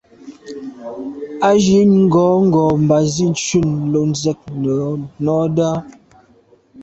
A jíìt ngòó ngò mbā zíìt shùm lo ndzíə́k ncɔ́ɔ̀ʼdə́ a.